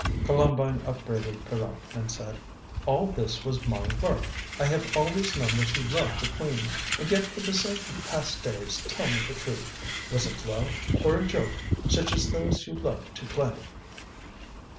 Columbine upbraided Pierrot and said: "All this was my work. I have always known that you loved the Queen. And yet for the sake of past days, tell me the truth. Was it love or a joke, such as those you love to play?"